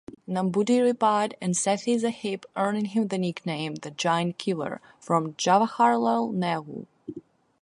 Namboodiripad and Seethi Sahib earning him the nickname the "Giant-Killer" from Jawaharlal Nehru.